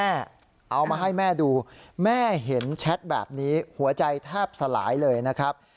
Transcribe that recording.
เอามาให้แม่ดูแม่เห็นแชทแบบนี้หัวใจแทบสลายเลยนะครับ